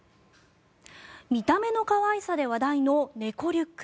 見た目の可愛さで話題の猫リュック。